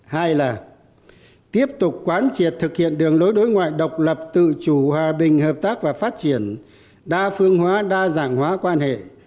hai là tiếp tục quán triệt thực hiện đường lối đối ngoại độc lập tự chủ hòa bình hợp tác và phát triển đa phương hóa đa dạng hóa quan hệ